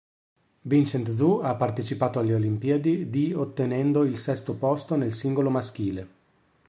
Vincent Zhou ha partecipato alle Olimpiadi di ottenendo il sesto posto nel singolo maschile.